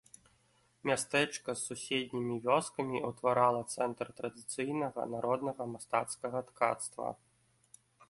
Мястэчка з суседнімі вёскамі утварала цэнтр традыцыйнага народнага мастацкага ткацтва.